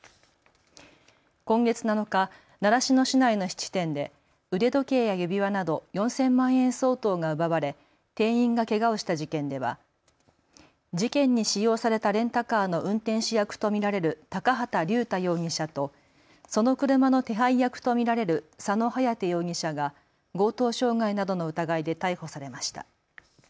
今月７日、習志野市内の質店で腕時計や指輪など４０００万円相当が奪われ店員がけがをした事件では事件に使用されたレンタカーの運転手役と見られる高畑竜太容疑者とその車の手配役と見られる佐野颯容疑者が強盗傷害などの疑いで逮捕されました。